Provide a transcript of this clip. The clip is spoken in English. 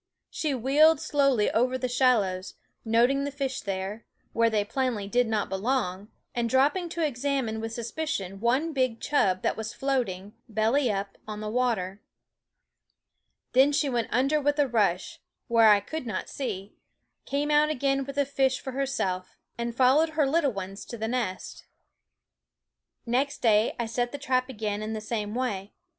She wheeled slowly over the shallows, noting the fish there, where they plainly did not belong, and drop ping to examine with suspicion one big chub that was floating, belly up, on the water. Then she went under with a rush, where I could not see, came out again with a fish for her self, and followed her little ones to the nest. ^l&? Next day I set the trap again in the same way.